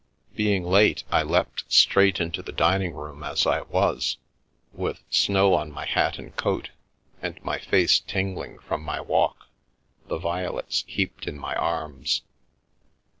Being late, I leapt straight into the dining room as I was, with snow on my hat and coat, and my face tingling from my walk, the violets heaped in my arms.